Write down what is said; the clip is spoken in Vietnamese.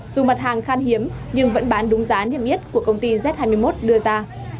dù mặt hàng khan hiếm nhưng vẫn bán đúng giá niêm yết của công ty z hai mươi một đưa ra